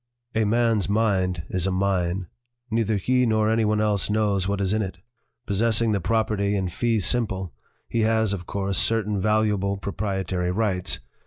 A man's mind is a ' 178 BUSINESS AND ART mine. Neither he nor any one else knows what is in it. Possessing the property in fee simple, he has, of course, certain valuable proprietary rights.